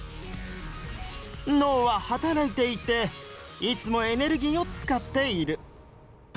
脳は働いていていつもエネルギーをつかっている。